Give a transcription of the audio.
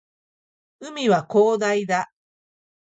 海は広大だ